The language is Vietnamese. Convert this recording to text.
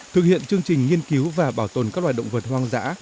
thực hiện chương trình nghiên cứu và bảo tồn các loài động vật hoang dã